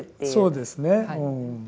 そうですね。